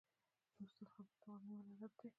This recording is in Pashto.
د استاد خبرو ته غوږ نیول ادب دی.